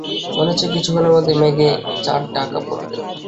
মনে হচ্ছে কিছুক্ষণের মধ্যেই মেঘে চাঁদ ঢাকা পড়বে।